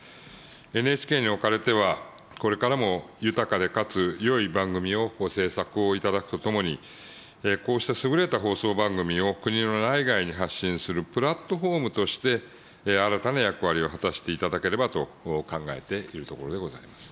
ＮＨＫにおかれては、これからも豊かでかつよい番組をご制作をいただくとともに、こうした優れた放送番組を国の内外に発信するプラットフォームとして、新たな役割を果たしていただければと考えているところでございます。